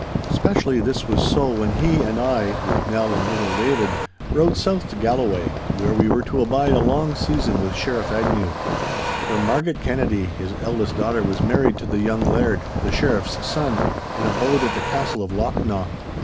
Specially this was so when he and I, with Nell and little David, rode south to Galloway, where we were to abide a long season with Sheriff Agnew. For Marget Kennedy, his eldest daughter, was married to the young Laird, the Sheriff's son, and abode at the castle of Lochnaw.